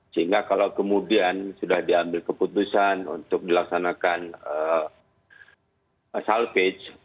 sehingga kalau kemudian sudah diambil keputusan untuk dilaksanakan salvage